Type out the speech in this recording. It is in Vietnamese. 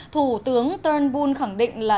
thủ tướng turnbull khẳng định là